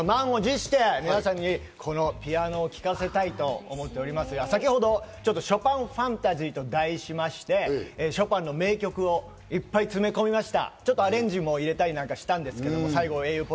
今日はね、私が満を持して皆さんにピアノを聴かせたいと思っておりますが、先ほど『ショパン・ファンタジー』と題しまして、ショパンの名曲をいっぱい詰め込みました。